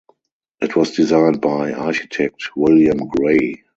It was designed by architect William Gray.